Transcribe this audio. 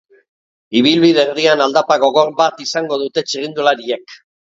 Ibilbide erdian aldapa gogor bat izango dute txirrindulariek.